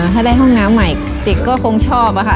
ถ้าได้ห้องน้ำใหม่เด็กก็คงชอบอะค่ะ